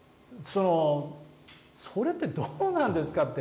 それってどうなんですかって。